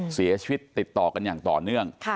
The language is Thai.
เสียชีวิตติดต่อกันอย่างต่อเนื่อง